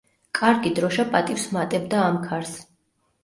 კარგი დროშა პატივს ჰმატებდა ამქარს.